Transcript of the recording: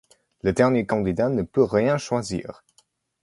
Le dernier candidat ne peut rien choisir.